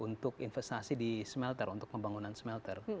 untuk investasi di smelter untuk pembangunan smelter